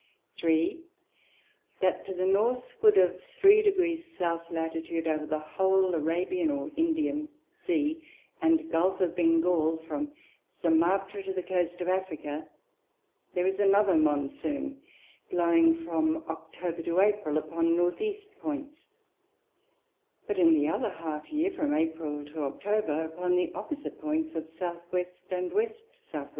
3. That to the Northward of three Degrees South Latitude, over the whole Arabian or Indian Sea and Gulph of Bengall, from Sumatra to the Coast of Africa, there is another Monsoon, blowing from October to April upon the North East Points; but in the other half Year, from April to October, upon the opposite Points of S. W. and W. S. W.